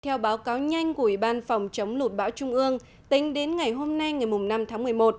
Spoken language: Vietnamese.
theo báo cáo nhanh của ủy ban phòng chống lụt bão trung ương tính đến ngày hôm nay ngày năm tháng một mươi một